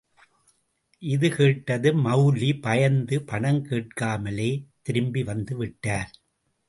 —இது கேட்டதும், மவுல்வி பயந்து, பணம் கேட்காமலே திரும்பி வந்து விட்டார்.